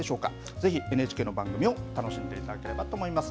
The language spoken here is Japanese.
ぜひＮＨＫの番組を楽しんでいただければと思います。